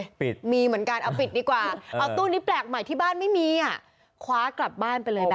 เอาปิดค่ะเอาปิดดีกว่าเอาตู้นี้แปลกใหม่ที่บ้านไม่มีอ่ะคว้ากลับบ้านไปเลยแบบนั้น